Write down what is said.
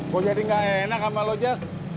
kok jadi nggak enak sama lo jak